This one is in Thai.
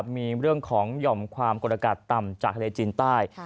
มีเรื่องของหย่อมความกดอากาศต่ำจากทะเลจีนใต้